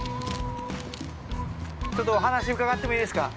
ちょっとお話伺ってもいいですか。